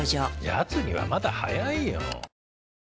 やつにはまだ早いよ。